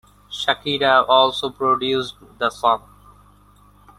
Shakira also produced the song.